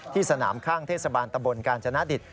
สนามข้างเทศบาลตะบนกาญจนดิต